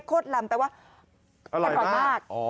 ลำแปลว่าอร่อยมาก